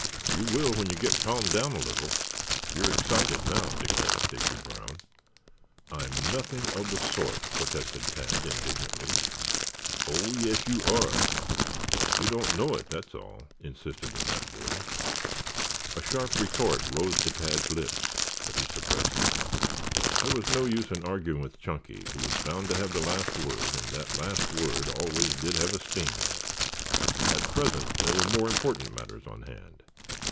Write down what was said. "You will when you get calmed down a little. You're excited now," declared Stacy Brown. "I'm nothing of the sort," protested Tad indignantly. "Oh, yes you are. You don't know it, that's all," insisted the fat boy. A sharp retort rose to Tad's lips, but he suppressed it. There was no use in arguing with Chunky, who was bound to have the last word and that last word always did have a sting in it. At present there were more important matters on hand.